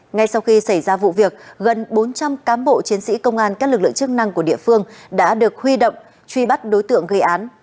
ngay sau khi xảy ra vụ việc gần bốn trăm linh cám bộ chiến sĩ công an các lực lượng chức năng của địa phương đã được huy động truy bắt đối tượng gây án